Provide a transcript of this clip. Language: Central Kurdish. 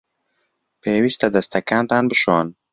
پێویستە دەستەکانتان بشۆن.